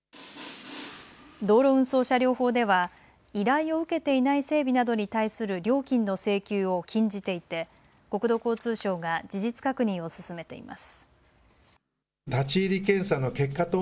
道路運送車両法では依頼を受けていない整備などに対する料金の請求を禁じていて国土交通省が事実確認を進めています。